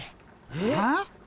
えっ？